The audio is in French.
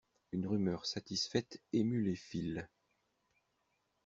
Une rumeur satisfaite émut les files.